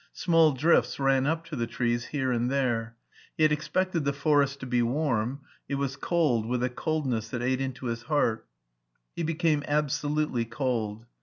Small drifts ran up to the trees here and there. He had expected the forest to be warm : it was cold with a coldness that ate into his heart He became absolutely cold.